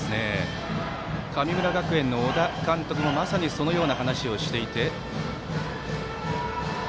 神村学園の小田監督もまさにそのような話をしていました。